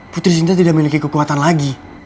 putri cinta tidak memiliki kekuatan lagi